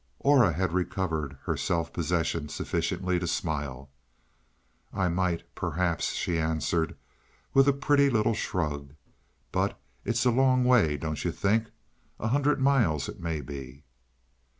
Aura had recovered her self possession sufficiently to smile. "I might, perhaps," she answered, with a pretty little shrug. "But it's a long way, don't you think? A hundred miles, it may be?"